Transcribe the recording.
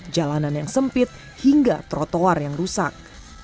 jalanan yang sempit hingga trotoar yang rusak